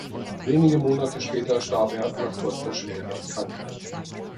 Wenige Monate später starb er nach kurzer schwerer Krankheit.